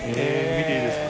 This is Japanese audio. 見ていいですか？